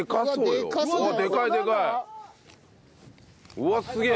うわすげえ！